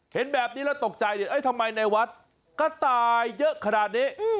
เห็นแบบนี้แล้วตกใจทำไมในวัดก็ตายเยอะขนาดนี้